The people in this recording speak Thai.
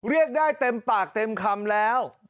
เรียกได้เต็มปากเต็มคำแล้ว